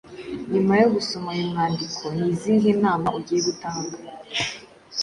Nyuma yo gusoma uyu mwandiko ni izihe nama ugiye gutanga